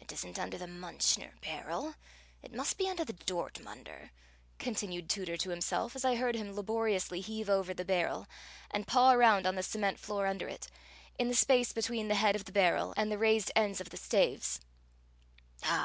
"It isn't under the Muenchener barrel, it must be under the Dortmunder," continued Tooter to himself, as I heard him laboriously heave over the barrel and paw around on the cement floor under it, in the space between the head of the barrel and the raised ends of the staves, "Ah!